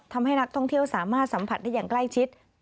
ทำให้นักท่องเที่ยวสามารถสัมผัสได้อย่างใกล้ชิด